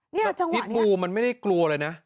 พิษบูมันไม่ได้กลัวเลยนะ